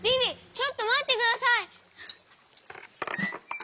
ちょっとまってください！